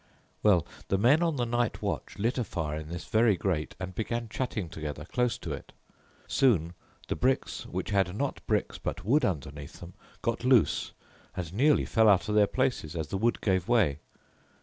"Well, the men on the night watch lit a fire in this very grate and began chatting together close to it. Soon the bricks which had not bricks but wood underneath them got loose, and nearly fell out of their places as the wood gave way.